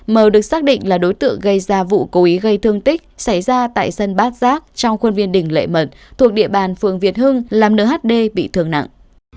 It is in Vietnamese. mờ được xác định là đối tượng gây ra vụ cố ý gây thương tích xảy ra tại sân bát giác trong khuôn viên đình lệ mận thuộc địa bàn phường việt hưng làm nhd bị thương nặng